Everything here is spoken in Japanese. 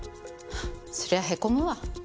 そりゃへこむわ。